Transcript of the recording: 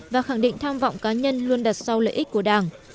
và khẳng định tham vọng cá nhân luôn đặt sau lợi ích của đảng